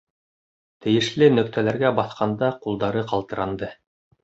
Тейешле нөктәләргә баҫҡанда ҡулдары ҡалтыранды.